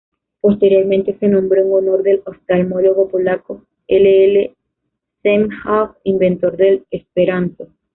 Posteriormente se nombró en honor del oftalmólogo polaco L. L. Zamenhof, inventor del esperanto.